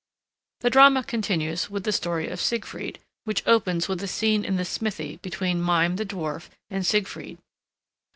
The drama continues with the story of Siegfried, which opens with a scene in the smithy between Mime the dwarf and Siegfried.